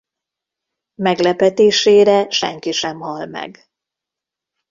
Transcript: Meglepetésére senki sem hal meg.